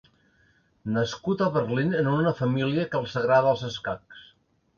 Nascut a Berlín en una família que els agrada els escacs.